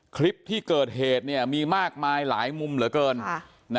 คลิปที่เกิดเหตุมีมากมายหลายมุมเหลือเกิน